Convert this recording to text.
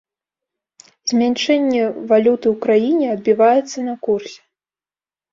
Змяншэнне валюты ў краіне адбіваецца на курсе.